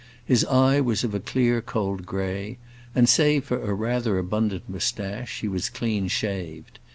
His eye was of a clear, cold gray, and save for a rather abundant moustache he was clean shaved.